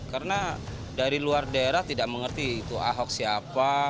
karena dari luar daerah tidak mengerti itu ahok siapa